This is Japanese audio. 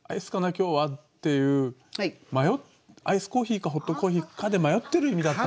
今日は」っていうアイスコーヒーかホットコーヒーかで迷ってる意味だったんですよ。